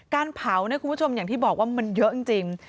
การเผาเนี่ยคุณผู้ชมอย่างที่บอกว่ามันเยอะจริง